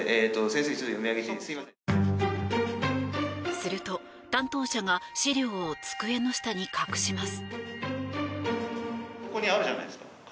すると、担当者が資料を机の下に隠します。